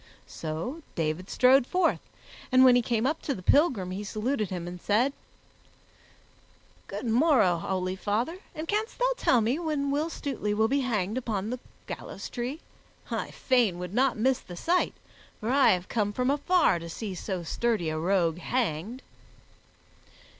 So David strode forth, and when he came up to the pilgrim, he saluted him and said, "Good morrow, holy father, and canst thou tell me when Will Stutely will be hanged upon the gallows tree? I fain would not miss the sight, for I have come from afar to see so sturdy a rogue hanged."